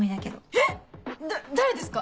えっ⁉誰ですか？